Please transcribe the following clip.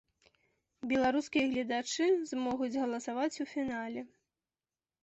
Беларускія гледачы змогуць галасаваць у фінале.